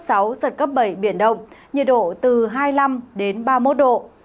giật cấp bảy biển đông nhiệt độ từ hai mươi năm ba mươi một độ